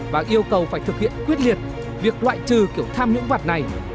và yêu cầu phải thực hiện quyết liệt việc loại trừ kiểu tham nhũng vặt này